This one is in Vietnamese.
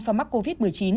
sau mắc covid một mươi chín